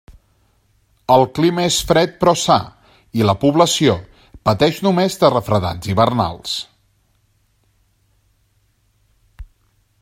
El clima és fred, però sa, i la població pateix només dels refredats hivernals.